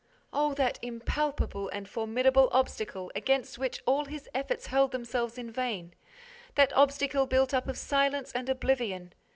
Oh, that impalpable and formidable obstacle, against which all his efforts hurled themselves in vain, that obstacle built up of silence and oblivion!